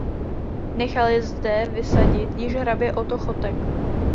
Nechal je zde vysadit již hrabě Otto Chotek.